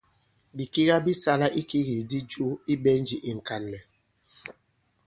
Bìkiga bi sala ikigikdi jo i ɓɛ̀njì ì ŋ̀kànlɛ̀.